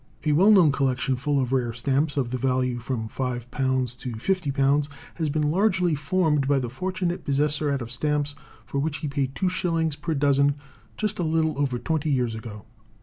A well known collection, full of rare stamps of the value of from £5 to £50, has been largely formed by the fortunate possessor out of stamps for which he paid 2s. per dozen just a little over twenty years ago.